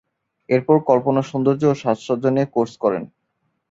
এরপর কল্পনা সৌন্দর্য ও সাজসজ্জা নিয়ে কোর্স করেন।